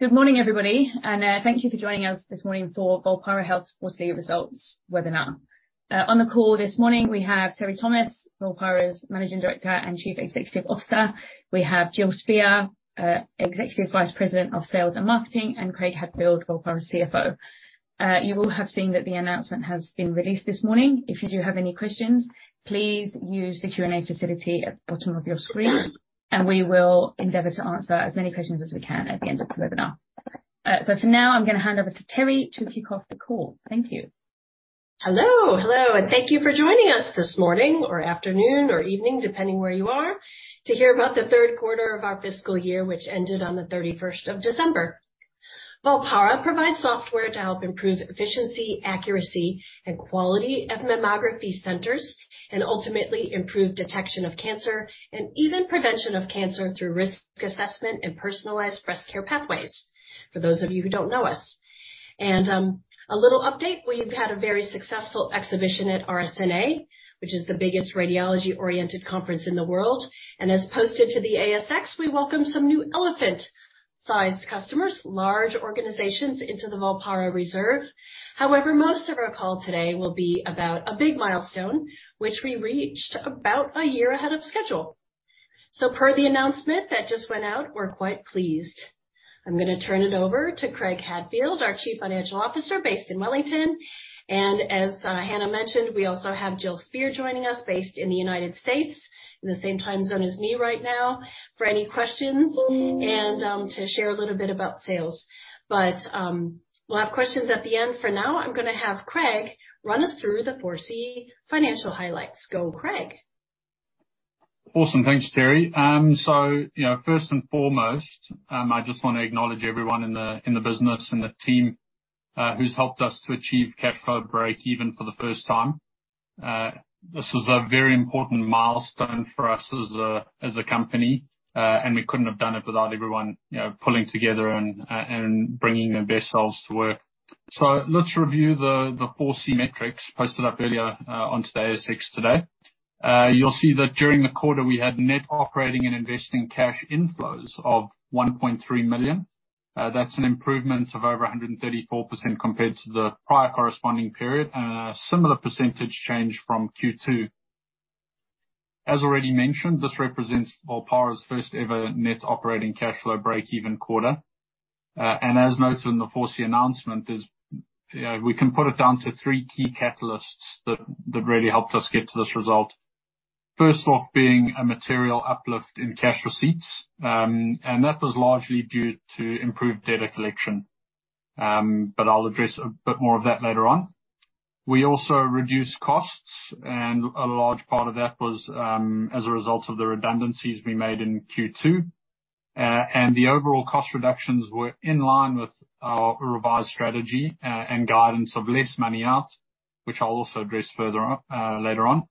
Good morning, everybody, thank you for joining us this morning for Volpara Health's Q3 results webinar. On the call this morning, we have Teri Thomas, Volpara's Managing Director and Chief Executive Officer. We have Jill Spear, Executive Vice President of Sales and Marketing, and Craig Hadfield, Volpara's CFO. You will have seen that the announcement has been released this morning. If you do have any questions, please use the Q&A facility at the bottom of your screen, and we will endeavor to answer as many questions as we can at the end of the webinar. For now, I'm gonna hand over to Teri to kick off the call. Thank you. Hello, hello, and thank you for joining us this morning or afternoon or evening, depending where you are, to hear about the third quarter of our fiscal year, which ended on the 31st of December. Volpara provides software to help improve efficiency, accuracy, and quality of mammography centers and ultimately improve detection of cancer and even prevention of cancer through risk assessment and personalized breast care pathways, for those of you who don't know us. A little update, we've had a very successful exhibition at RSNA, which is the biggest radiology-oriented conference in the world. As posted to the ASX, we welcome some new elephant-sized customers, large organizations into the Volpara reserve. However, most of our call today will be about a big milestone, which we reached about a year ahead of schedule. Per the announcement that just went out, we're quite pleased. I'm gonna turn it over to Craig Hadfield, our Chief Financial Officer based in Wellington. As Hannah mentioned, we also have Jill Spear joining us based in the United States, in the same time zone as me right now, for any questions and to share a little bit about sales. We'll have questions at the end. For now, I'm gonna have Craig run us through the Q3 financial highlights. Go, Craig. Awesome. Thanks, Teri. You know, first and foremost, I just want to acknowledge everyone in the business and the team who's helped us to achieve cash flow break even for the first time. This was a very important milestone for us as a company, and we couldn't have done it without everyone, you know, pulling together and bringing their best selves to work. Let's review the Q3 metrics posted up earlier on today's ASX today. You'll see that during the quarter, we had net operating and investing cash inflows of 1.3 million. That's an improvement of over 134% compared to the prior corresponding period, a similar percentage change from Q2. As already mentioned, this represents Volpara's first ever net operating cash flow break-even quarter. As noted in the Q3 announcement is, you know, we can put it down to 3 key catalysts that really helped us get to this result. First off being a material uplift in cash receipts, and that was largely due to improved data collection. I'll address a bit more of that later on. We also reduced costs, and a large part of that was as a result of the redundancies we made in Q2. The overall cost reductions were in line with our revised strategy, and guidance of less money out, which I'll also address further on, later on.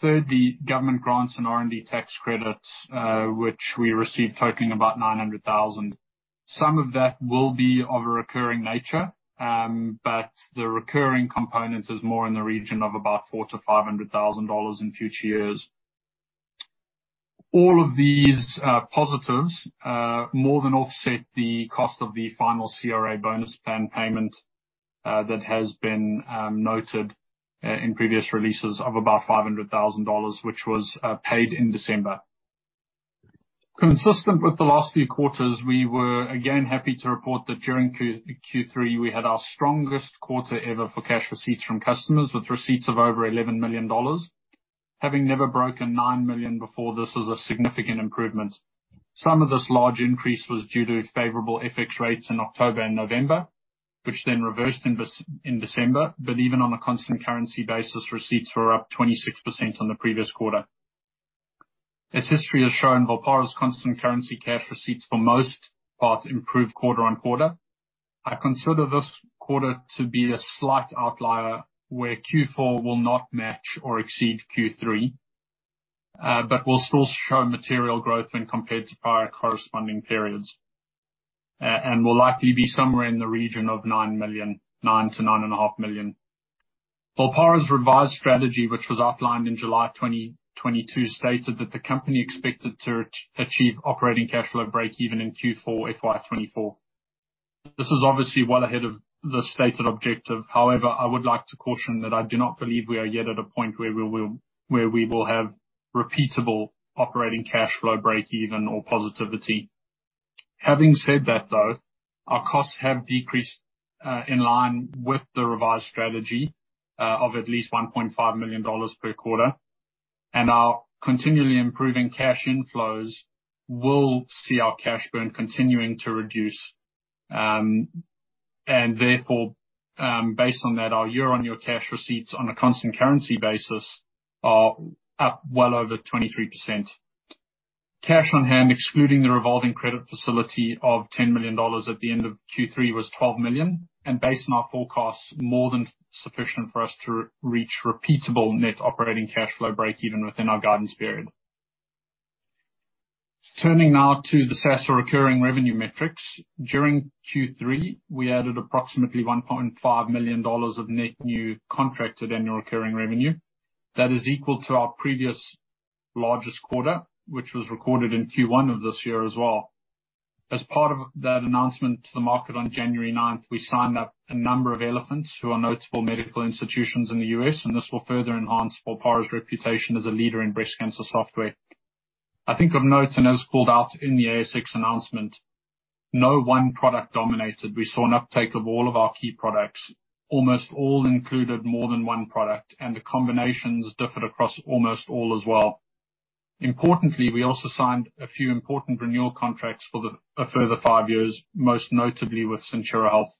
Thirdly, government grants and R&D tax credits, which we received totaling about 900,000. Some of that will be of a recurring nature, but the recurring components is more in the region of about $400,000-$500,000 in future years. All of these positives more than offset the cost of the final CRA bonus plan payment that has been noted in previous releases of about $500,000, which was paid in December. Consistent with the last few quarters, we were again happy to report that during Q3, we had our strongest quarter ever for cash receipts from customers with receipts of over $11 million. Having never broken $9 million before, this is a significant improvement. Some of this large increase was due to favorable FX rates in October and November, which then reversed in December. Even on a constant currency basis, receipts were up 26% on the previous quarter. As history has shown, Volpara's constant currency cash receipts for most parts improved quarter-on-quarter. I consider this quarter to be a slight outlier, where Q4 will not match or exceed Q3, but will still show material growth when compared to prior corresponding periods, and will likely be somewhere in the region of 9 million, 9 million to 9 and a half million. Volpara's revised strategy, which was outlined in July 2022, stated that the company expected to achieve operating cash flow break even in Q4 FY24. This is obviously well ahead of the stated objective. However, I would like to caution that I do not believe we are yet at a point where we will have repeatable operating cash flow break even or positivity. Having said that, though, our costs have decreased in line with the revised strategy of at least 1.5 million dollars per quarter. Our continually improving cash inflows will see our cash burn continuing to reduce. Therefore, based on that, our year-over-year cash receipts on a constant currency basis are up well over 23%. Cash on hand, excluding the revolving credit facility of 10 million dollars at the end of Q3, was 12 million, and based on our forecasts, more than sufficient for us to reach repeatable net operating cash flow break even within our guidance period. Turning now to the SaaS recurring revenue metrics. During Q3, we added approximately $1.5 million of net new contracted ARR. That is equal to our previous largest quarter, which was recorded in Q1 of this year as well. As part of that announcement to the market on January 9th, we signed up a number of elephants who are notable medical institutions in the U.S. This will further enhance Volpara's reputation as a leader in breast cancer software. I think of note, as called out in the ASX announcement, no one product dominated. We saw an uptake of all of our key products. Almost all included more than one product. The combinations differed across almost all as well. Importantly, we also signed a few important renewal contracts for a further 5 years, most notably with Centura Health.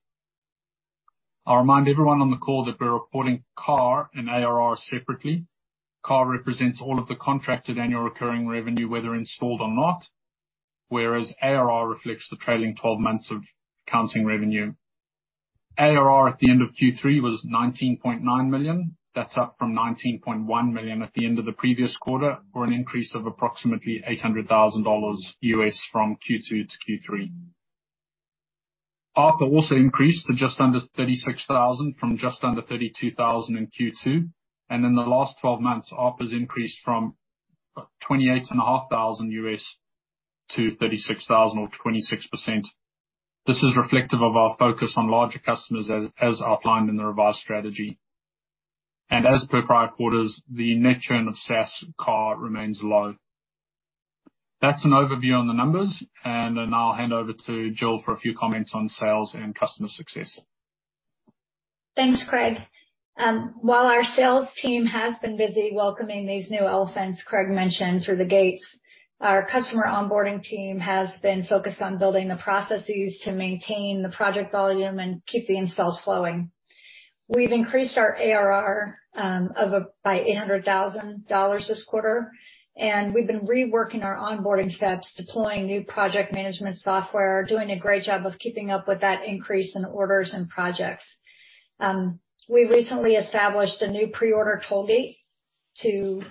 I'll remind everyone on the call that we're reporting CAR and ARR separately. CAR represents all of the contracted annual recurring revenue, whether installed or not. ARR reflects the trailing twelve months of accounting revenue. ARR at the end of Q3 was $19.9 million. That's up from $19.1 million at the end of the previous quarter, or an increase of approximately $800,000 US from Q2 to Q3. ARPA also increased to just under $36,000 from just under $32,000 in Q2. In the last twelve months, ARPA's increased from $28,500 US to $36,000 or 26%. This is reflective of our focus on larger customers as outlined in the revised strategy. As per prior quarters, the net churn of SaaS CAR remains low. That's an overview on the numbers. I'll hand over to Jill for a few comments on sales and customer success. Thanks, Craig. While our sales team has been busy welcoming these new elephants Craig mentioned through the gates, our customer onboarding team has been focused on building the processes to maintain the project volume and keep the installs flowing. We've increased our ARR by 800,000 dollars this quarter, we've been reworking our onboarding steps, deploying new project management software, doing a great job of keeping up with that increase in orders and projects. We recently established a new pre-order hold date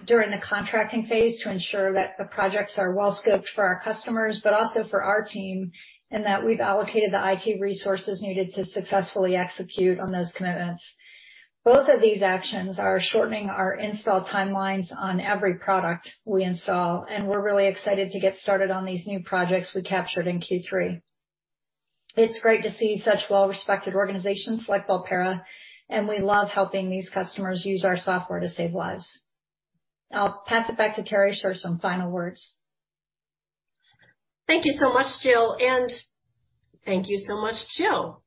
during the contracting phase to ensure that the projects are well scoped for our customers, also for our team, that we've allocated the IT resources needed to successfully execute on those commitments. Both of these actions are shortening our install timelines on every product we install, and we're really excited to get started on these new projects we captured in Q3. It's great to see such well-respected organizations like Volpara, and we love helping these customers use our software to save lives. I'll pass it back to Teri for some final words. Thank you so much, Jill.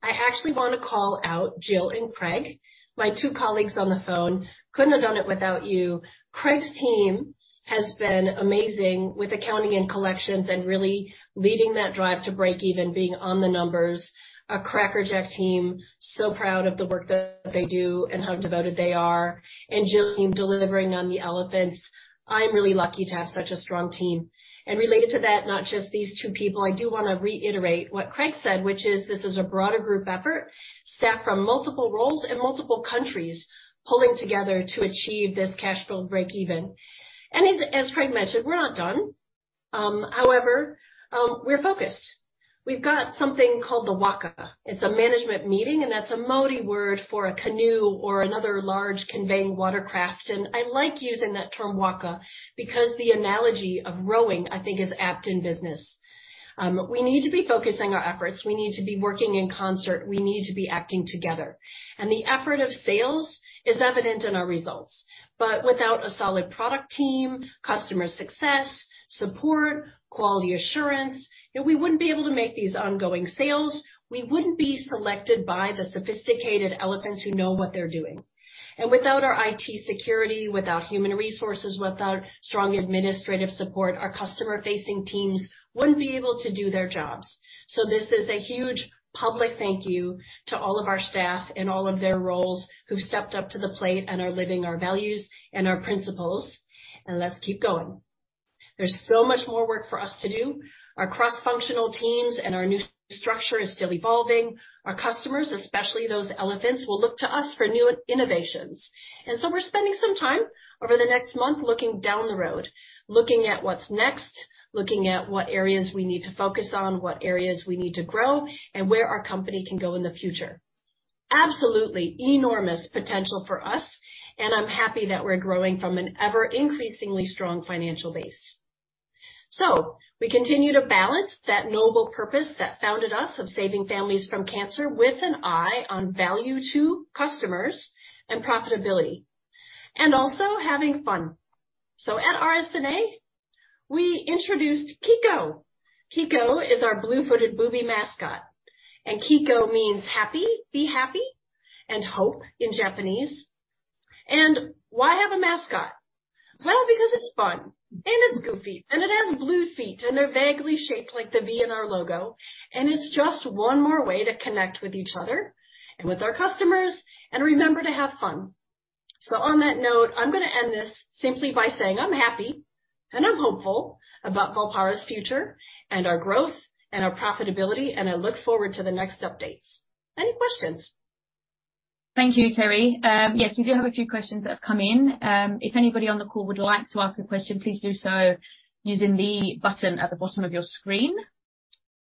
I actually wanna call out Jill and Craig, my two colleagues on the phone. Couldn't have done it without you. Craig's team has been amazing with accounting and collections and really leading that drive to break even, being on the numbers. A crackerjack team, so proud of the work that they do and how devoted they are. Jill delivering on the elephants. I'm really lucky to have such a strong team. Related to that, not just these two people, I do wanna reiterate what Craig said, which is this is a broader group effort, staff from multiple roles and multiple countries pulling together to achieve this cash flow break even. As Craig mentioned, we're not done. However, we're focused. We've got something called the Waka. It's a management meeting. That's a Māori word for a canoe or another large conveying watercraft. I like using that term Waka because the analogy of rowing, I think, is apt in business. We need to be focusing our efforts. We need to be working in concert. We need to be acting together. The effort of sales is evident in our results. Without a solid product team, customer success, support, quality assurance, you know, we wouldn't be able to make these ongoing sales. We wouldn't be selected by the sophisticated elephants who know what they're doing. Without our IT security, without human resources, without strong administrative support, our customer-facing teams wouldn't be able to do their jobs. This is a huge public thank you to all of our staff in all of their roles who've stepped up to the plate and are living our values and our principles, and let's keep going. There's so much more work for us to do. Our cross-functional teams and our new structure is still evolving. Our customers, especially those elephants, will look to us for new innovations. We're spending some time over the next month looking down the road, looking at what's next, looking at what areas we need to focus on, what areas we need to grow, and where our company can go in the future. Absolutely enormous potential for us, and I'm happy that we're growing from an ever-increasingly strong financial base. We continue to balance that noble purpose that founded us of saving families from cancer with an eye on value to customers and profitability and also having fun. At RSNA, we introduced Kiko. Kiko is our blue-footed booby mascot, and Kiko means happy, be happy, and hope in Japanese. Why have a mascot? Well, because it's fun, and it's goofy, and it has blue feet, and they're vaguely shaped like the V in our logo. It's just one more way to connect with each other and with our customers and remember to have fun. On that note, I'm gonna end this simply by saying I'm happy, and I'm hopeful about Volpara's future, and our growth and our profitability, and I look forward to the next updates. Any questions? Thank you, Teri. Yes, we do have a few questions that have come in. If anybody on the call would like to ask a question, please do so using the button at the bottom of your screen.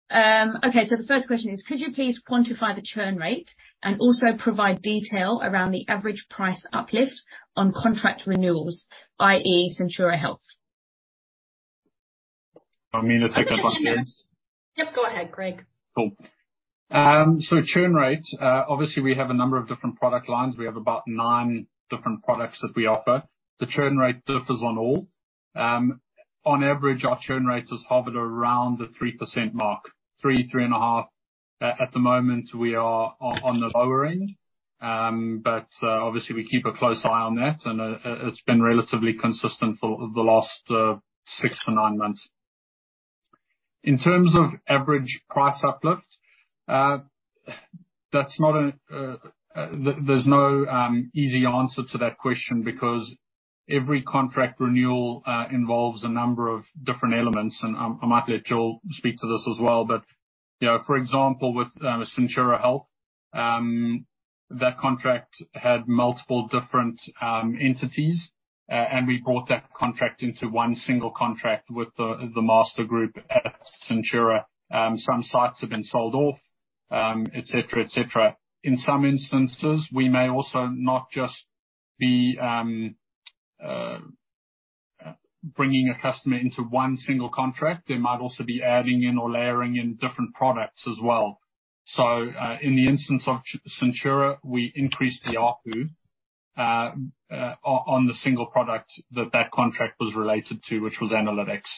The first question is could you please quantify the churn rate and also provide detail around the average price uplift on contract renewals, i.e. Centura Health? You want me to take that one, Jill? Yep. Go ahead, Craig. Cool. Churn rates. Obviously, we have a number of different product lines. We have about nine different products that we offer. The churn rate differs on all. On average, our churn rates has hovered around the 3% mark, 3 and a half. At the moment we are on the lower end. Obviously we keep a close eye on that, and it's been relatively consistent for the last six to nine months. In terms of average price uplift, that's not a... There's no easy answer to that question because every contract renewal involves a number of different elements. I might let Jill speak to this as well. You know, for example, with Centura Health, that contract had multiple different entities. We brought that contract into 1 single contract with the master group at Centura. Some sites have been sold off, et cetera, et cetera. In some instances, we may also not just be bringing a customer into 1 single contract. They might also be adding in or layering in different products as well. In the instance of Centura, we increased the ARPU on the single product that that contract was related to, which was Analytics.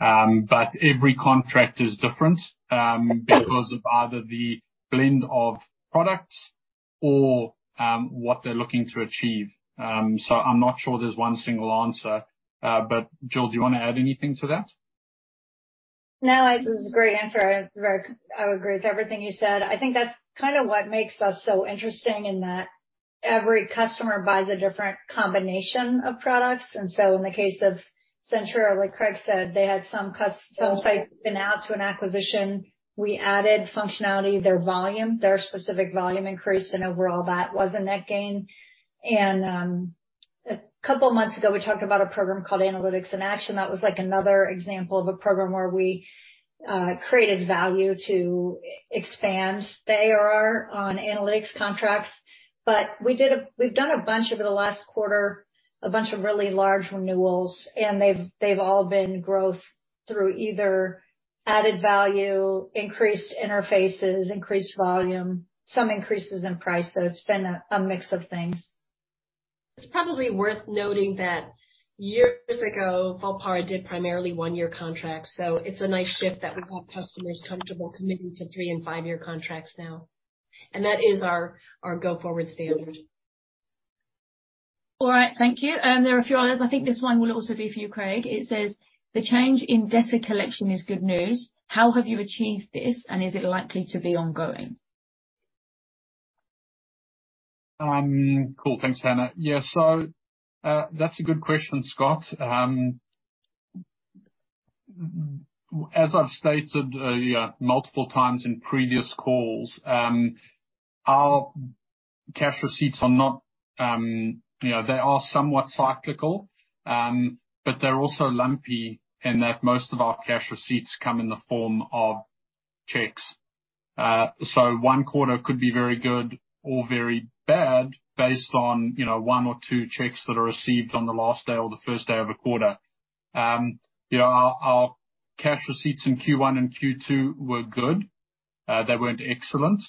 Every contract is different because of either the blend of products or what they're looking to achieve. I'm not sure there's 1 single answer. Jill, do you wanna add anything to that? No, it was a great answer. I would agree with everything you said. I think that's kind of what makes us so interesting in that every customer buys a different combination of products. In the case of Centura, like Craig said, they had some sites spin out to an acquisition. We added functionality, their volume, their specific volume increased and overall that was a net gain. A couple months ago we talked about a program called Analytics in Action. That was like another example of a program where we created value to expand ARR on analytics contracts. We've done a bunch over the last quarter, a bunch of really large renewals. They've all been growth through either added value, increased interfaces, increased volume, some increases in price. It's been a mix of things. It's probably worth noting that years ago, Volpara did primarily one-year contracts, so it's a nice shift that we have customers comfortable committing to three and five-year contracts now. That is our go-forward standard. All right. Thank you. There are a few others. I think this one will also be for you, Craig. It says, "The change in debtor collection is good news. How have you achieved this, and is it likely to be ongoing? Cool. Thanks, Hannah. That's a good question, Scott. As I've stated, multiple times in previous calls, our cash receipts are not, you know, they are somewhat cyclical, but they're also lumpy in that most of our cash receipts come in the form of checks. One quarter could be very good or very bad based on, you know, one or two checks that are received on the last day or the first day of a quarter. You know, our cash receipts in Q1 and Q2 were good. They weren't excellent.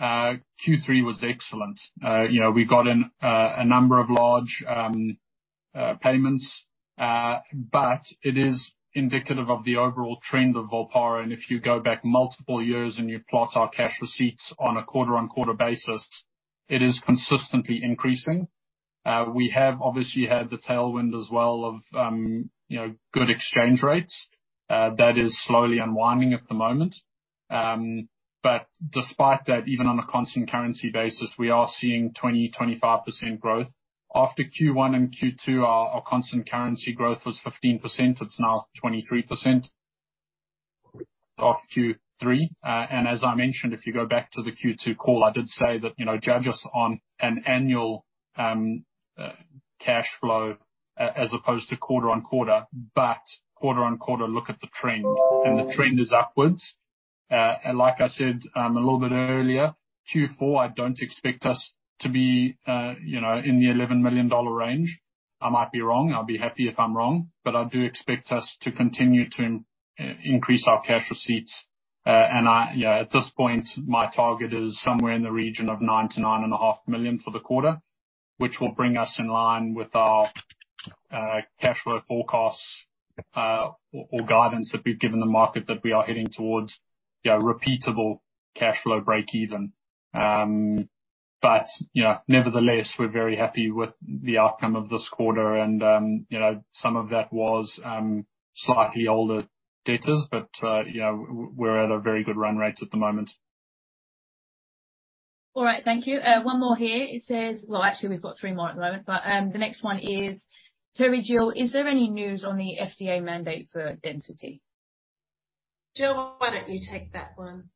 Q3 was excellent. You know, we got in a number of large payments. But it is indicative of the overall trend of Volpara. If you go back multiple years and you plot our cash receipts on a quarter-on-quarter basis, it is consistently increasing. We have obviously had the tailwind as well of, you know, good exchange rates that is slowly unwinding at the moment. Despite that, even on a constant currency basis, we are seeing 20%-25% growth. After Q1 and Q2, our constant currency growth was 15%. It's now 23% after Q3. As I mentioned, if you go back to the Q2 call, I did say that, you know, judge us on an annual cash flow as opposed to quarter-on-quarter. Quarter-on-quarter, look at the trend, and the trend is upwards. Like I said, a little bit earlier, Q4, I don't expect us to be in the 11 million dollar range. I might be wrong. I'll be happy if I'm wrong. I do expect us to continue to increase our cash receipts. I, at this point, my target is somewhere in the region of 9 million-9.5 million for the quarter, which will bring us in line with our cash flow forecasts or guidance that we've given the market that we are heading towards repeatable cash flow break even. Nevertheless, we're very happy with the outcome of this quarter. Some of that was slightly older debtors, but we're at a very good run rate at the moment. All right. Thank you. One more here. It says... Well, actually we've got three more at the moment, but the next one is Teri Thomas. "Is there any news on the FDA mandate for Density? Jill, why don't you take that one?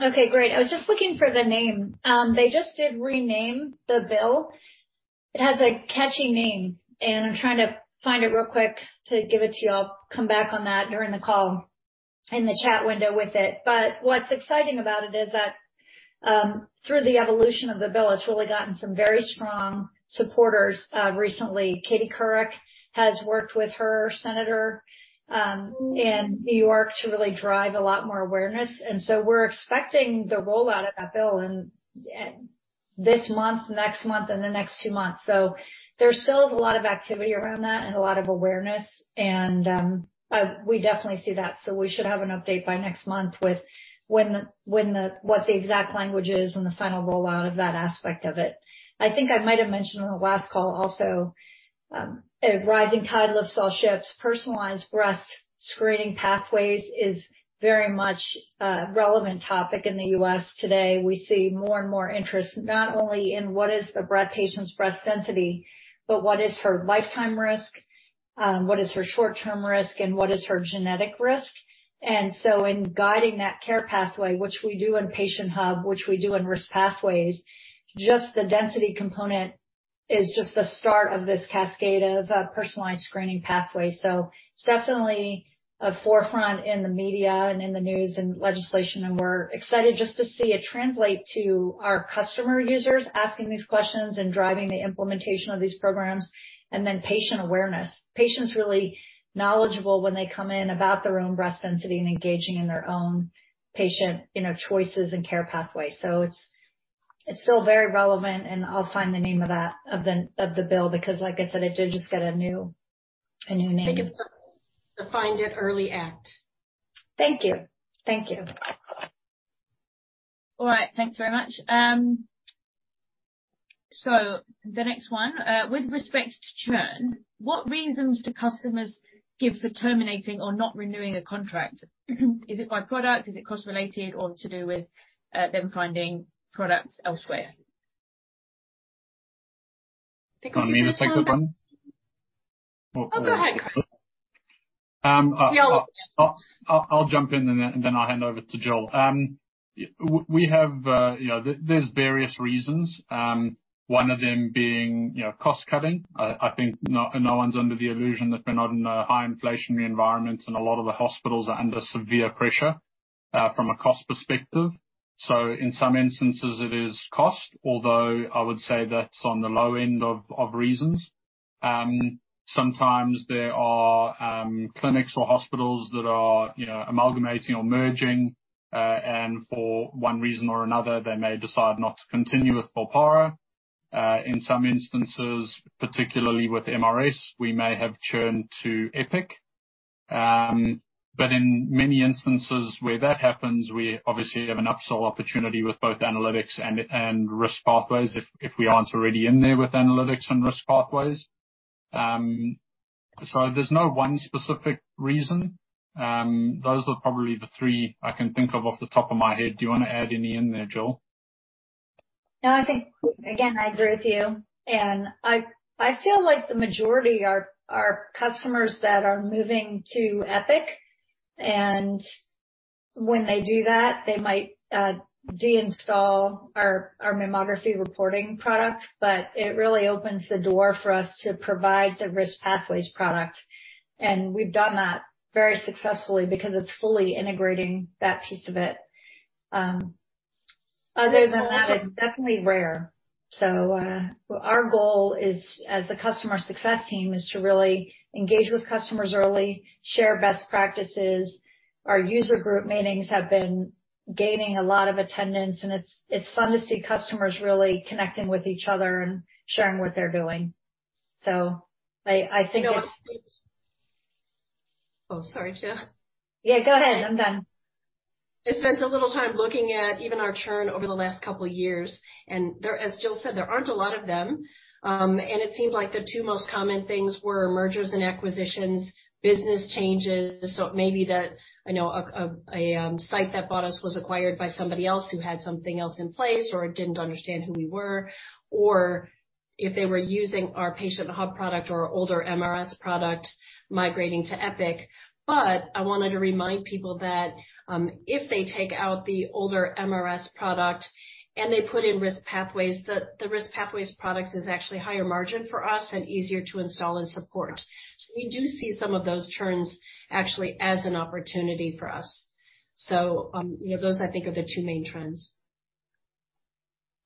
Okay, great. I was just looking for the name. They just did rename the bill. It has a catchy name, and I'm trying to find it real quick to give it to you. I'll come back on that during the call in the chat window with it. What's exciting about it is that, through the evolution of the bill, it's really gotten some very strong supporters. Recently, Katie Couric has worked with her senator, in New York to really drive a lot more awareness. We're expecting the rollout of that bill in this month, next month, and the next two months. There still is a lot of activity around that and a lot of awareness, and we definitely see that. We should have an update by next month with what the exact language is and the final rollout of that aspect of it. I think I might have mentioned on the last call also, a rising tide lifts all ships. Personalized breast screening pathways is very much a relevant topic in the U.S. today. We see more and more interest, not only in what is the breast patient's breast density, but what is her lifetime risk, what is her short-term risk, and what is her genetic risk. In guiding that care pathway, which we do in Patient Hub, which we do in Risk Pathways, just the density component is just the start of this cascade of personalized screening pathways. It's definitely a forefront in the media and in the news and legislation, and we're excited just to see it translate to our customer users asking these questions and driving the implementation of these programs, and then patient awareness. Patients really knowledgeable when they come in about their own breast density and engaging in their own patient, you know, choices and care pathways. It's still very relevant, and I'll find the name of the bill, because like I said, it did just get a new name. I think it's the Find It Early Act. Thank you. Thank you. All right. Thanks very much. The next one. With respect to churn, what reasons do customers give for terminating or not renewing a contract? Is it by product, is it cost related, or to do with, them finding products elsewhere? I think. Do you want me to take that one? Oh, go ahead. I'll jump in, and then I'll hand over to Jill. We have, you know, there's various reasons. One of them being, you know, cost cutting. I think no one's under the illusion that we're not in a high inflationary environment, and a lot of the hospitals are under severe pressure from a cost perspective. In some instances it is cost, although I would say that's on the low end of reasons. Sometimes there are clinics or hospitals that are, you know, amalgamating or merging. For one reason or another, they may decide not to continue with Volpara. In some instances, particularly with MRS, we may have churned to Epic. In many instances where that happens, we obviously have an upsell opportunity with both Volpara Analytics and Risk Pathways, if we aren't already in there with Volpara Analytics and Risk Pathways. There's no one specific reason. Those are probably the three I can think of off the top of my head. Do you wanna add any in there, Jill? I think, again, I agree with you. I feel like the majority are customers that are moving to Epic. When they do that, they might deinstall our mammography reporting product. It really opens the door for us to provide the Risk Pathways product, and we've done that very successfully because it's fully integrating that piece of it. Other than that, it's definitely rare. Our goal is, as the customer success team, is to really engage with customers early, share best practices. Our user group meetings have been gaining a lot of attendance, and it's fun to see customers really connecting with each other and sharing what they're doing. I think it's. Oh, sorry, Jill. Yeah, go ahead. I'm done. I spent a little time looking at even our churn over the last couple years. As Jill said, there aren't a lot of them. It seems like the 2 most common things were mergers and acquisitions, business changes. The, you know, a, a, site that bought us was acquired by somebody else who had something else in place or didn't understand who we were or if they were using our Patient Hub product or older MRS product migrating to Epic. I wanted to remind people that, if they take out the older MRS product and they put in Risk Pathways, the Risk Pathways product is actually higher margin for us and easier to install and support. We do see some of those churns actually as an opportunity for us. You know, those, I think are the two main trends.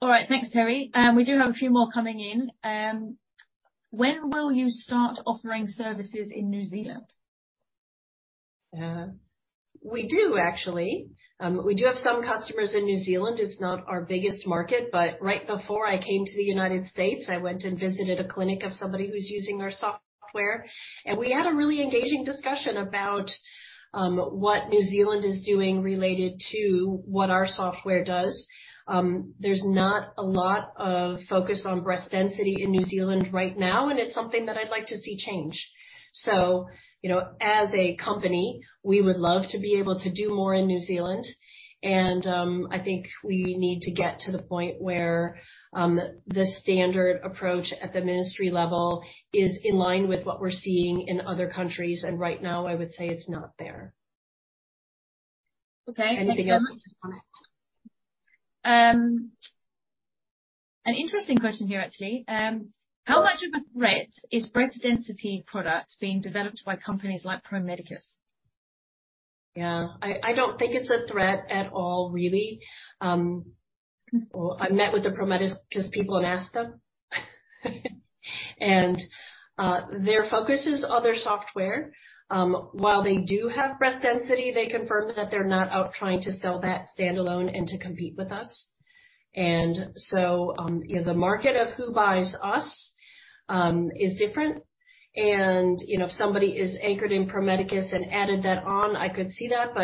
All right. Thanks, Teri. We do have a few more coming in. When will you start offering services in New Zealand? We do actually. We do have some customers in New Zealand. It's not our biggest market, but right before I came to the United States, I went and visited a clinic of somebody who's using our software. We had a really engaging discussion about what New Zealand is doing related to what our software does. There's not a lot of focus on breast density in New Zealand right now, and it's something that I'd like to see change. You know, as a company, we would love to be able to do more in New Zealand. I think we need to get to the point where the standard approach at the ministry level is in line with what we're seeing in other countries. Right now, I would say it's not there. Okay. Anything else on it? An interesting question here, actually. How much of a threat is breast density products being developed by companies like Pro Medicus? Yeah. I don't think it's a threat at all, really. Well, I met with the Pro Medicus people and asked them. Their focus is on their software. While they do have breast density, they confirmed that they're not out trying to sell that standalone and to compete with us. You know, the market of who buys us is different. You know, if somebody is anchored in Pro Medicus and added that on, I could see that.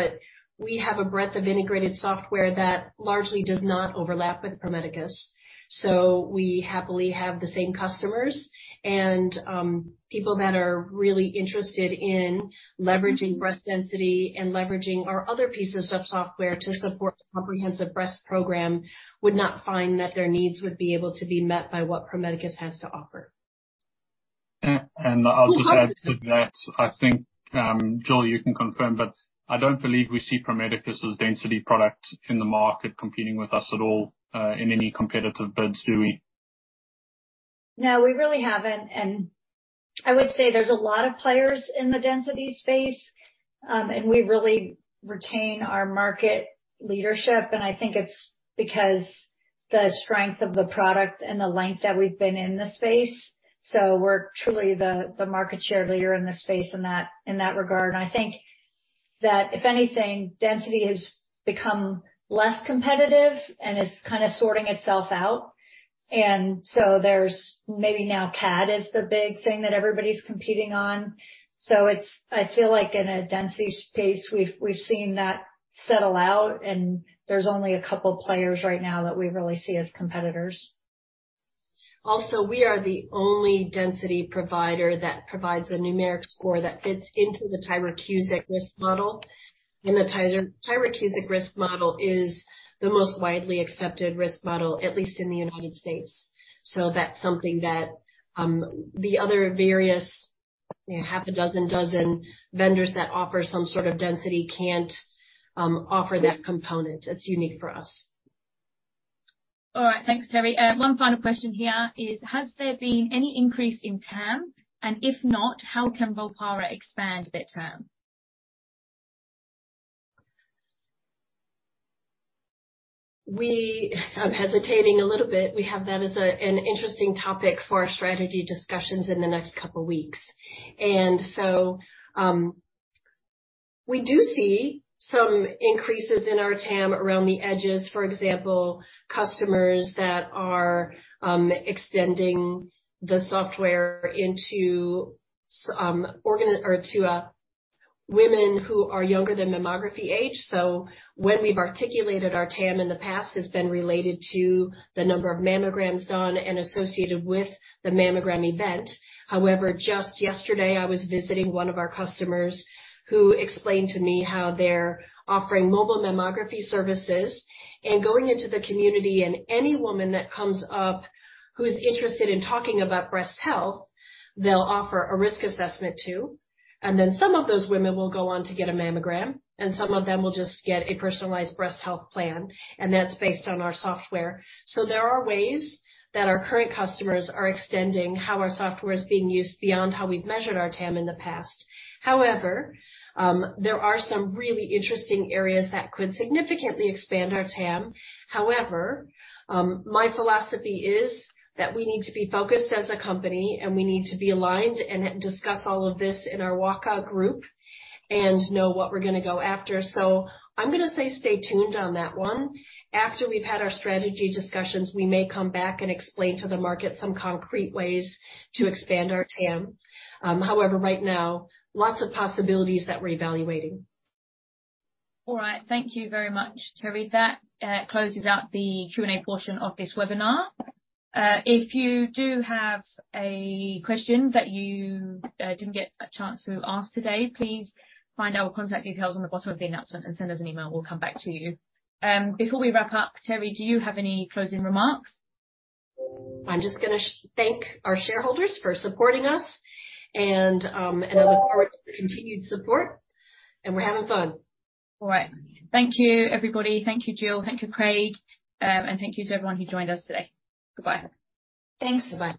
We have a breadth of integrated software that largely does not overlap with Pro Medicus. We happily have the same customers. People that are really interested in leveraging breast density and leveraging our other pieces of software to support a comprehensive breast program would not find that their needs would be able to be met by what Pro Medicus has to offer. I'll just add to that. I think, Jill, you can confirm, but I don't believe we see Pro Medicus's density product in the market competing with us at all, in any competitive bids, do we? No, we really haven't. I would say there's a lot of players in the density space. We really retain our market leadership, and I think it's because the strength of the product and the length that we've been in this space. We're truly the market share leader in this space in that, in that regard. I think that if anything, density has become less competitive and is kind of sorting itself out. There's maybe now CAD is the big thing that everybody's competing on. I feel like in a density space, we've seen that settle out, and there's only a couple players right now that we really see as competitors. We are the only density provider that provides a numeric score that fits into the Tyrer-Cuzick risk model. The Tyrer-Cuzick risk model is the most widely accepted risk model, at least in the United States. That's something that, the other various half a dozen, 12 vendors that offer some sort of density can't offer that component. It's unique for us. All right. Thanks, Teri. One final question here is: Has there been any increase in TAM? If not, how can Volpara expand their TAM? I'm hesitating a little bit. We have that as an interesting topic for our strategy discussions in the next couple weeks. We do see some increases in our TAM around the edges. For example, customers that are extending the software or to women who are younger than mammography age. When we've articulated our TAM in the past, it's been related to the number of mammograms done and associated with the mammogram event. However, just yesterday, I was visiting one of our customers who explained to me how they're offering mobile mammography services and going into the community, and any woman that comes up who's interested in talking about breast health, they'll offer a risk assessment too. Some of those women will go on to get a mammogram, and some of them will just get a personalized breast health plan. That's based on our software. There are ways that our current customers are extending how our software is being used beyond how we've measured our TAM in the past. However, there are some really interesting areas that could significantly expand our TAM. However, my philosophy is that we need to be focused as a company, and we need to be aligned and discuss all of this in our Waka group and know what we're gonna go after. I'm gonna say stay tuned on that one. After we've had our strategy discussions, we may come back and explain to the market some concrete ways to expand our TAM. However, right now, lots of possibilities that we're evaluating. All right. Thank you very much, Teri. That closes out the Q&A portion of this webinar. If you do have a question that you didn't get a chance to ask today, please find our contact details on the bottom of the announcement and send us an email. We'll come back to you. Before we wrap up, Teri, do you have any closing remarks? I'm just gonna thank our shareholders for supporting us and I look forward to the continued support. We're having fun. All right. Thank you, everybody. Thank you, Jill. Thank you, Craig. Thank you to everyone who joined us today. Goodbye. Thanks. Bye.